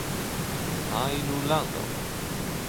アイルランド